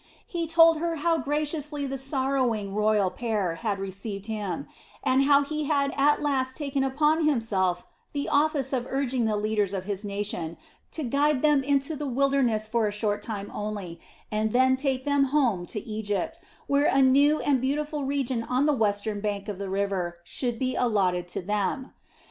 He told her how graciously the sorrowing royal pair had received him, and how he had at last taken upon himself the office of urging the leaders of his nation to guide them into the wilderness for a short time only, and then take them home to Egypt, where a new and beautiful region on the western bank of the river should be allotted to them.